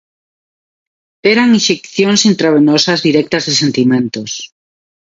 Eran inxeccións intravenosas directas de sentimentos.